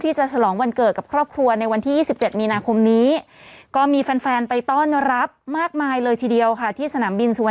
ไม่เห็นเดินตรงนี้ไม่ใช่แฟนคลับนะ